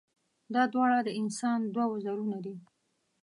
دا دواړه د انسان دوه وزرونه دي.